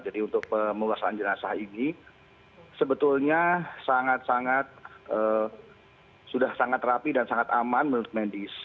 jadi untuk penguasaan jenazah ini sebetulnya sangat sangat sudah sangat rapi dan sangat aman menurut mendes